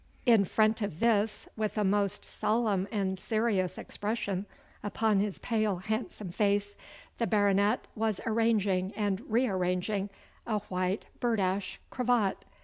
In front of this, with a most solemn and serious expression upon his pale, handsome face, the Baronet was arranging and re arranging a white berdash cravat.